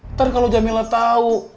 ntar kalau jamila tau